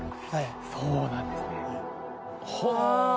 そうなんですね。